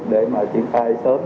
để mà triển khai sớm